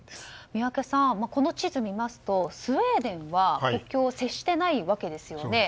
宮家さん、この地図を見ますとスウェーデンは国境を接していないわけですよね。